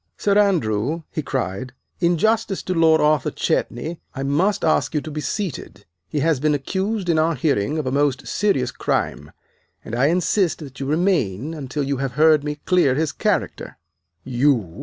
"Sir Andrew," he cried, "in justice to Lord Arthur Chetney I must ask you to be seated. He has been accused in our hearing of a most serious crime, and I insist that you remain until you have heard me clear his character." "You!"